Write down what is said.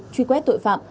truy quét tội phạm